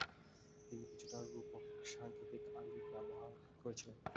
তিনি কিছুটা রূপক-সাংকেতিক আঙ্গিক ব্যবহার করেছিলেন।